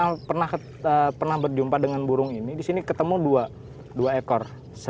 ya jadi kalau kita pernah berjumpa dengan burung ini di sini ketemu dua ekor